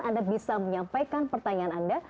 anda bisa menyampaikan pertanyaan anda